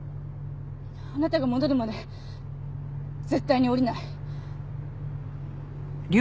あなたが戻るまで絶対に降りない。